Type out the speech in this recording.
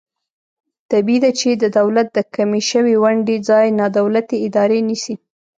طبعي ده چې د دولت د کمې شوې ونډې ځای نا دولتي ادارې نیسي.